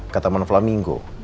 ke taman flamingo